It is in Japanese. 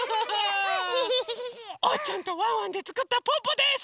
おうちゃんとワンワンでつくったぽぅぽです！